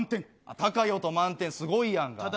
高い音、満点、すごいやん。